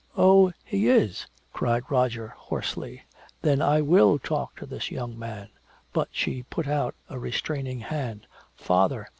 "Oh! He is!" cried Roger hoarsely. "Then I will talk to this young man!" But she put out a restraining hand: "Father!